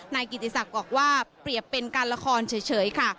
นายกิติศักดิ์บอกว่าเปรียบเป็นการละครเฉยค่ะ